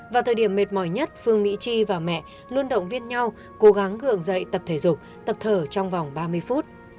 vào thời điểm mệt mỏi nhất phương mỹ chi và mẹ luôn động viên nhau cố gắng gượng dậy tập thể dục tập thở trong vòng ba mươi phút